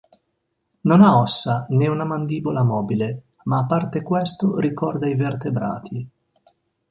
Non ha ossa né una mandibola mobile, ma a parte questo ricorda i vertebrati.